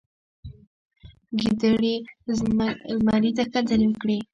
ګیدړې زمري ته ښکنځلې وکړې.